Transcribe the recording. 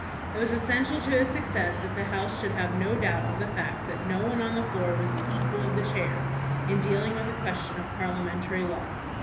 It was essential to his success that the House should have no doubt of the fact that no one on the floor was the equal of the chair in dealing with a question of parliamentary law.